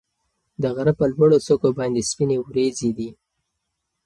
د غره په لوړو څوکو باندې سپینې وريځې دي.